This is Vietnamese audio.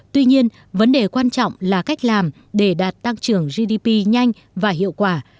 tuy nhiên vấn đề quan trọng là cách làm để đạt tăng trưởng gdp nhanh và hiệu quả